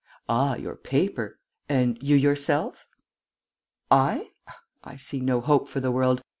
"Ah, your paper. And you yourself?" "I? I see no hope for the world.